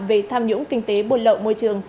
về tham nhũng kinh tế buôn lậu môi trường